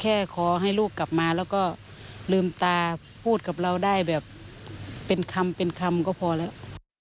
ขอให้ลูกกลับมาแล้วก็ลืมตาพูดกับเราได้แบบเป็นคำเป็นคำก็พอแล้ว